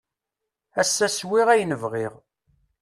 Ass-a swiɣ ayen bɣiɣ.